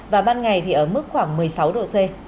và ban ngày thì ở mức khoảng một mươi sáu độ c